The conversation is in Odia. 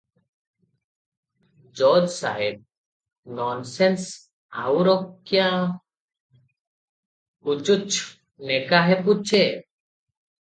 ଜଜ୍ ସାହେବ -"ନନ୍ସେନ୍ସ! ଆଉର କ୍ୟା ପୁଚ୍ଛ୍ ନେକା ହେ ପୁଚ୍ଛେ ।